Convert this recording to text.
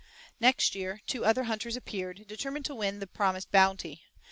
Next year, two other hunters appeared, determined to win the promised bounty.